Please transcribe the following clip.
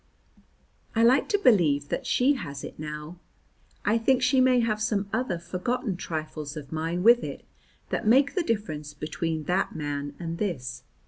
I like to believe that she has it now. I think she may have some other forgotten trifles of mine with it that make the difference between that man and this.